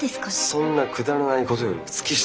そんなくだらないことより月下